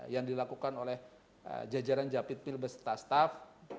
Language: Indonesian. yang dilakukan oleh jajaran jump it mill berserta staff